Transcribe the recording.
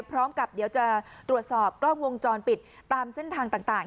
พร้อมกับเดี๋ยวจะตรวจสอบกล้องวงจรปิดตามเส้นทางต่าง